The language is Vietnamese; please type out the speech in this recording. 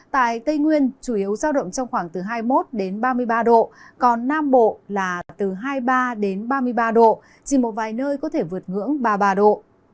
tại tây nguyên chủ yếu giao động trong khoảng từ hai mươi một ba mươi ba độ còn nam bộ là từ hai mươi ba đến ba mươi ba độ chỉ một vài nơi có thể vượt ngưỡng ba mươi ba độ